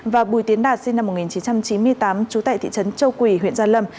và bùi tiến đạt sinh năm một nghìn chín trăm chín mươi tám trú tại thị trấn châu quỳ huyện gia lâm